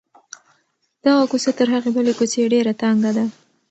دغه کوڅه تر هغې بلې کوڅې ډېره تنګه ده.